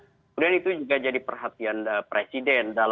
kemudian itu juga jadi perhatian presiden